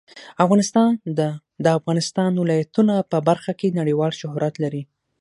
افغانستان د د افغانستان ولايتونه په برخه کې نړیوال شهرت لري.